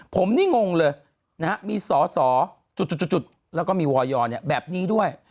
ผมนี่งงเลยมีสอจุดแล้วก็มีวอยอร์แบบนี้ด้วย